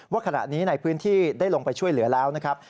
ขณะนี้ในพื้นที่ได้ลงไปช่วยเหลือแล้วนะครับ